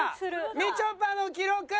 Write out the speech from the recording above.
みちょぱの記録。